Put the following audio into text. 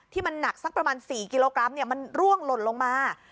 ที่มันหนักสักประมาณ๔กิโลกรัมมันร่วงหล่นลงมา